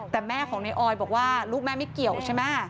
แต่แม่ของในออยบอกว่าลูกแม่ไม่เกี่ยวใช่ไหม